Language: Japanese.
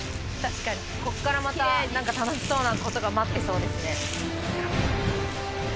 ここからまた何か楽しそうなことが待ってそうですね。